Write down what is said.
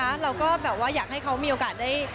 เราก็แบบว่าอยากให้เขามีโอกาสได้